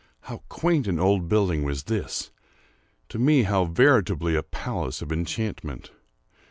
—how quaint an old building was this!—to me how veritably a palace of enchantment!